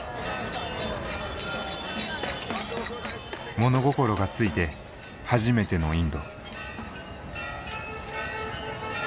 物心がついて初めてのインド。